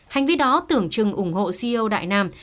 hành vi đó tưởng chừng ủng hộ ceo đại nam